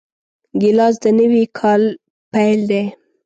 ګیلاس د نوي کاله پیل دی.